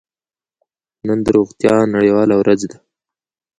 نن د روغتیا نړیواله ورځ ده.